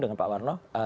dengan pak warno